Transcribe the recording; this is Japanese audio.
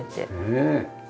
ねえ。